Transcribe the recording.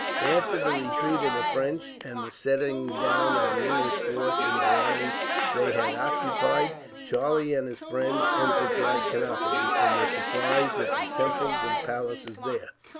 After the retreat of the French, and the settling down of the English force in the lines they had occupied, Charlie and his friend entered Trichinopoli, and were surprised at the temples and palaces there.